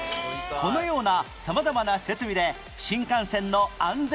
このような様々な設備で素晴らしい！